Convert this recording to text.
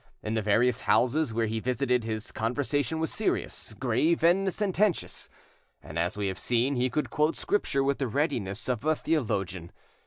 In the various houses where he visited his conversation was serious, grave, and sententious; and, as we have seen, he could quote Scripture with the readiness of a theologian.